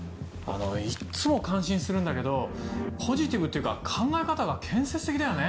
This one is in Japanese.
いっつも感心するんだけどポジティブっていうか考え方が建設的だよね。